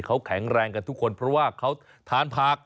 เขาแข็งแรงกันทุกคนเพราะว่าเขาทานผัก